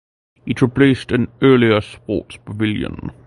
It replaced an earlier sports pavilion.